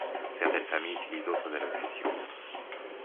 Certaines familles utilisent d'autres allocutions.